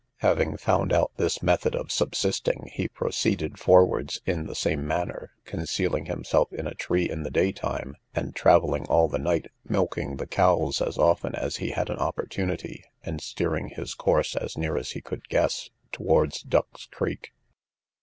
Having found out this method of subsisting, he proceeded forwards in the same manner, concealing himself in a tree in the day time, and travelling all the night, milking the cows as often as he had an opportunity; and steering his course as near as he could guess towards Duck's Creek.